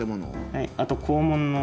はいあと校門の。